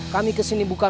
kami kesini bukan untuk